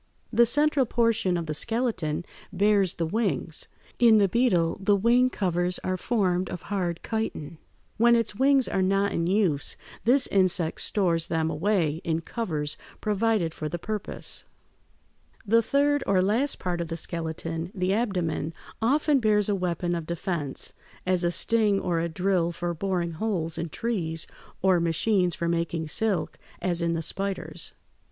The central portion of the skeleton bears the wings. In the beetle the wing covers are formed of hard chitin. When its wings are not in use this insect stores them away in covers provided for the purpose. [Illustration: FIG. 157. Sectional view of the eye of a beetle.] The third or last part of the skeleton, the abdomen, often bears a weapon of defense, as a sting or a drill for boring holes in trees, or machines for making silk, as in the spiders.